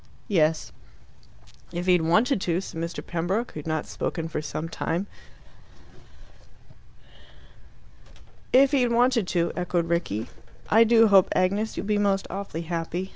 "Yes." "If he had wanted to," said Mr. Pembroke, who had not spoken for some time. "If he had wanted to," echoed Rickie. "I do hope, Agnes, you'll be most awfully happy.